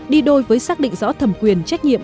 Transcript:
đi đôi với xác định rõ thẩm quyền trách nhiệm